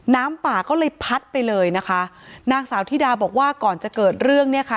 น้ำป่าก็เลยพัดไปเลยนะคะนางสาวธิดาบอกว่าก่อนจะเกิดเรื่องเนี่ยค่ะ